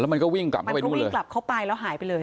อ๋อแล้วมันก็วิ่งกลับเข้าไปทุกที่เลยมันก็วิ่งกลับเข้าไปแล้วหายไปเลย